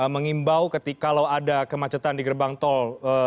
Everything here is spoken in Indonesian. mengimbau kalau ada kemacetan di gerbang tol